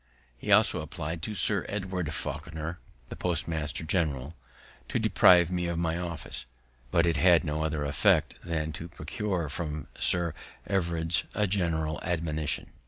He also applied to Sir Everard Fawkener, the postmaster general, to deprive me of my office; but it had no other effect than to procure from Sir Everard a gentle admonition.